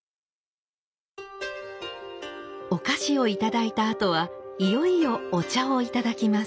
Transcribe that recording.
お菓子を頂いたあとはいよいよお茶を頂きます。